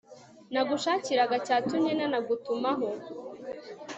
nagushakiraga cyatumye nanagutumaho